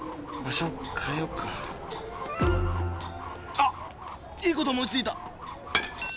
あっいいこと思いついた！